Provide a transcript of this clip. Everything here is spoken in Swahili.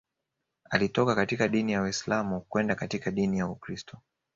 Alitoka katika dini Uislam kwenda katika dini ya Ukristo